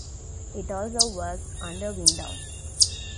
It also works under Windows.